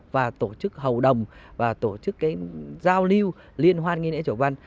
và tổ chức hầu đồng và tổ chức cái giao lưu liên hoan nghĩa chủ văn